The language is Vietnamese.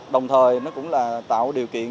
đồng thời nó cũng là tạo điều kiện